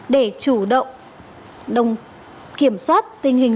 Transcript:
để chủ động kiểm soát tình hình